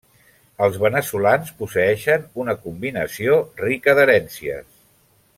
Els veneçolans posseeixen una combinació rica d'herències.